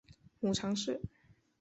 母常氏。